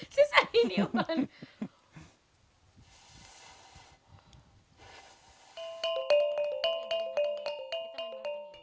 susah ini bu wan